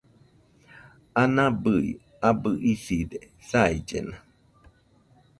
Ana bɨi abɨ iside saillena.